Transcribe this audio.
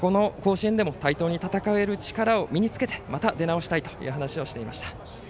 この甲子園でも対等で戦える力を身につけてまた出なおしたいと話していました。